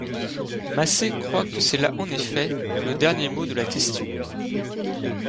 Macé croit que c'est là en effet le dernier mot de la question.